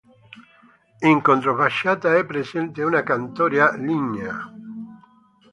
In controfacciata è presente una cantoria lignea.